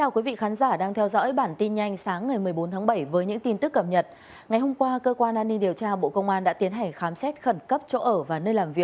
cảm ơn các bạn đã theo dõi